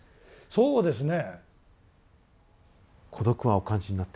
そうですね。